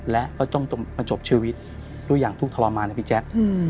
และก็ต้องมาจบชีวิตด้วยอย่างทุกข์ทรมานนะพี่แจ๊ค